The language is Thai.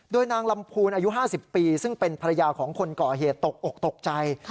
โดยนางลำพูนอายุ๕๐ปีซึ่งเป็นภรรยาของคนก่อเหตุตกอกตกใจ